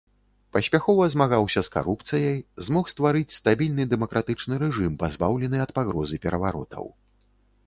Паспяхова змагаўся з карупцыяй, змог стварыць стабільны дэмакратычны рэжым, пазбаўлены ад пагрозы пераваротаў.